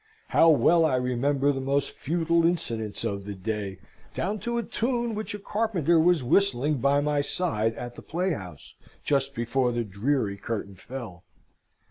(How well I remember the most futile incidents of the day down to a tune which a carpenter was whistling by my side at the playhouse, just before the dreary curtain fell!)